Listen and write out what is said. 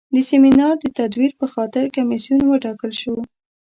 د سیمینار د تدویر په خاطر کمیسیون وټاکل شو.